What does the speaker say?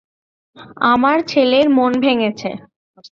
আমার ছেলের মন ভেঙেছে।